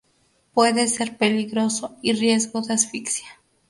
Puede ser peligroso y riesgo de asfixia.